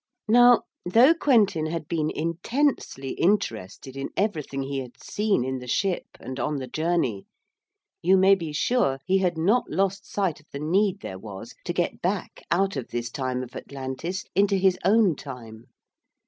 Now, though Quentin had been intensely interested in everything he had seen in the ship and on the journey, you may be sure he had not lost sight of the need there was to get back out of this time of Atlantis into his own time.